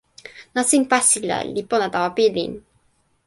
nasin pasila li pona tawa pilin.